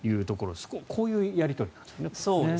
こういうやり取りなんですね。